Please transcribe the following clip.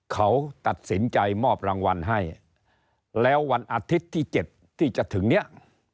เขาตัดสินใจมอบรางวัลให้แล้ววันอาทิตย์ที่๗ที่จะถึงเนี่ย